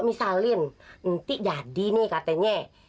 misalin nanti jadi nih katanya